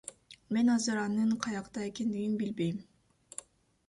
Мен азыр анын каякта экендигин билбейм.